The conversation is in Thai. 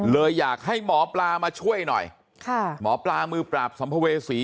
เลยอยากให้หมอปลามาช่วยหน่อยค่ะหมอปลามือปราบสัมภเวษี